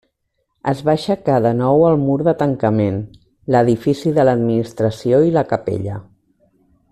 Es va aixecar de nou el mur de tancament, l'edifici de l'administració i la capella.